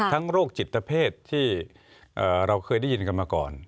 โรคจิตเพศที่เราเคยได้ยินกันมาก่อน